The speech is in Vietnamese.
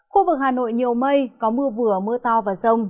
khu vực hà nội nhiều mây có mưa vừa mưa to và rông